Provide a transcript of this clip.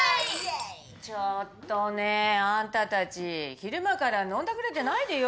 ちょっとねえあんたたち昼間から飲んだくれてないでよ。